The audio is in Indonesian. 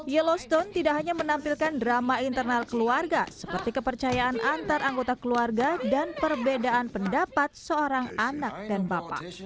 yellowstone tidak hanya menampilkan drama internal keluarga seperti kepercayaan antar anggota keluarga dan perbedaan pendapat seorang anak dan bapak